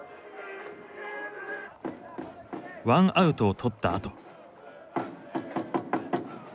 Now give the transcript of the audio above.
１アウトを取ったあと。